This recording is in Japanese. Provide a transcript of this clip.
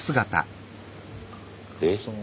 えっ？